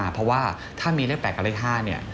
เพราะว่าถ้ามีเลข๘กับเลข๕